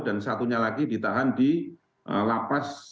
dan satunya lagi ditahan di lapas